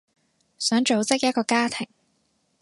想組織一個家庭